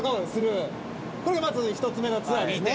これがまず１つ目のツアーですね。